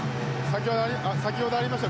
先ほどありました